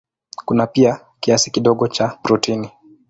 Kuna pia kiasi kidogo cha protini.